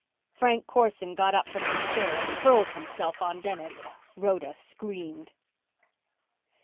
Frank Corson got up from his chair and hurled himself on Dennis. Rhoda screamed.